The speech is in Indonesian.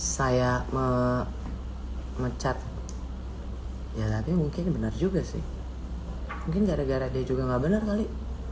saya memecat ya tapi mungkin benar juga sih mungkin gara gara dia juga nggak benar kali